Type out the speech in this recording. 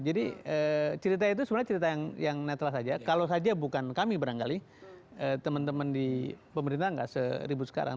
jadi cerita itu sebenarnya cerita yang netral saja kalau saja bukan kami barangkali teman teman di pemerintah enggak seribut sekarang